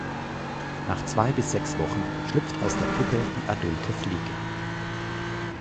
Nach zwei bis sechs Wochen schlüpft aus der Puppe die adulte Fliege.